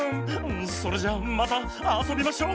それじゃまたあそびましょ。